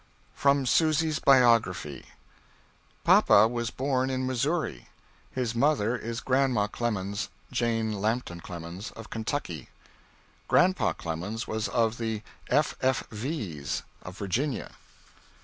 From Susy's Biography. Papa was born in Missouri. His mother is Grandma Clemens (Jane Lampton Clemens) of Kentucky. Grandpa Clemens was of the F.F.V's of Virginia.